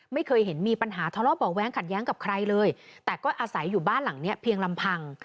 ไม่เคยเห็นมีปัญหาทะเลาะเบาะแว้งขัดแย้งกับใครเลยแต่ก็อาศัยอยู่บ้านหลังเนี้ยเพียงลำพัง